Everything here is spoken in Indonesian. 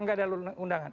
nggak ada undangan